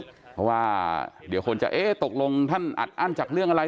เพราะว่าเดี๋ยวคนจะเอ๊ะตกลงท่านอัดอั้นจากเรื่องอะไร